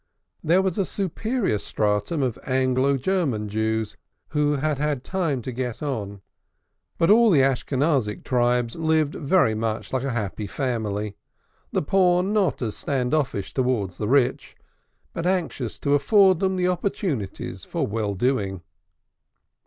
There was a superior stratum of Anglo German Jews who had had time to get on, but all the Ashkenazic tribes lived very much like a happy family, the poor not stand offish towards the rich, but anxious to afford them opportunities for well doing.